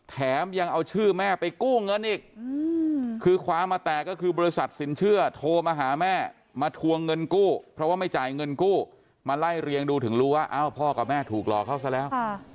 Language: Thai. แถมยังเอาชื่อแม่ไปกู้เงินอีกคือความมาแตกก็คือบริษัทสินเชื่อโทรมาหาแม่มาทวงเงินกู้เพราะว่าไม่จ่ายเงินกู้มาไล่เรียงดูถึงรู้ว่าอ้าวพ่อกับแม่ถูกหลอกเขาซะแล้ว